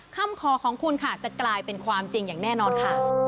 คำคอของคุณค่ะจะกลายเป็นความจริงอย่างแน่นอนค่ะ